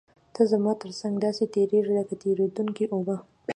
ته زما تر څنګ داسې تېرېږې لکه تېرېدونکې اوبه.